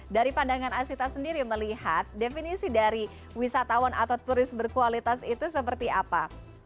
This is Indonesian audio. dari pandangan asita sendiri melihat definisi dari wisatawan atau turis berkualitas itu seperti apa